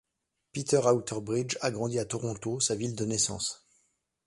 Peter Outerbridge a grandi à Toronto, sa ville de naissance.